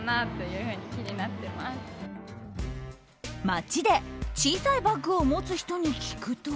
街で、小さいバッグを持つ人に聞くと。